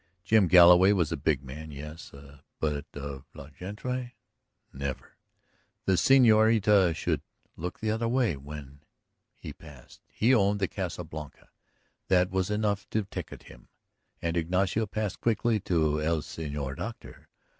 Jim Galloway was a big man, yes; but of la gente, never! The señorita should look the other way when he passed. He owned the Casa Blanca; that was enough to ticket him, and Ignacio passed quickly to el señor doctor.